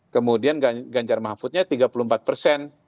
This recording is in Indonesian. kemudian ganjar mahfudnya tiga puluh empat persen